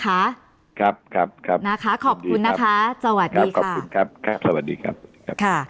ครับขอบคุณนะคะสวัสดีค่ะ